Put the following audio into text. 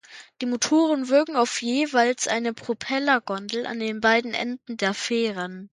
Die Motoren wirken auf jeweils eine Propellergondel an den beiden Enden der Fähren.